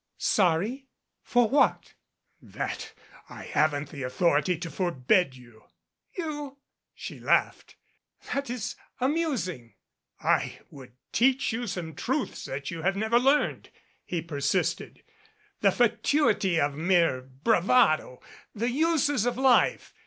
"Sorry? For what?" "That I haven't the authority to forbid you." "You?" she laughed. "That is amusing." "I would teach you some truths that you have never learned," he persisted, "the fatuity of mere bravado, the uses of life.